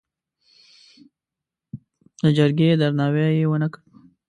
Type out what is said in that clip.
د جرګې درناوی یې ونه کړ.